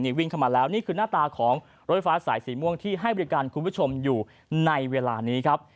วิ่งเข้ามาแล้วนี่คือหน้าตาของรถไฟฟ้าสายสีม่วงที่ให้บริการคุณผู้ชมอยู่ในเวลานี้ครับ